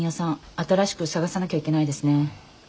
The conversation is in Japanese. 新しく探さなきゃいけないですね。